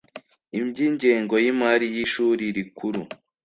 iby ingengo y imari y ishuri rikuru